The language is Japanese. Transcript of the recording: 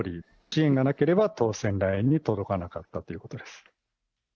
支援がなければ、当選ラインに届かなかったということです。